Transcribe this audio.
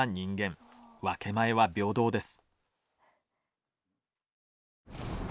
分け前は平等です。